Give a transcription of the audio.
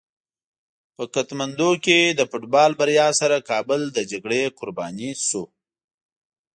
په کتمندو کې د فوټبال بریا سره کابل د جګړې قرباني شو.